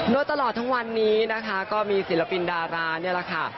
โดยตลอดทั้งวันนี้นะคะก็มีศิลปินดารานี่แหละค่ะ